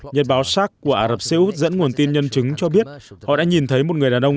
nhật báo sác của ả rập xê út dẫn nguồn tin nhân chứng cho biết họ đã nhìn thấy một người đàn ông